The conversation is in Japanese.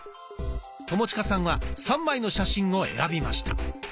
友近さんは３枚の写真を選びました。